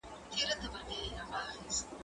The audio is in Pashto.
زه بايد ونې ته اوبه ورکړم!.